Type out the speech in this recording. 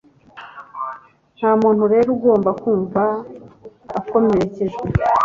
Nta muntu rero ugomba kumva akomerekejwe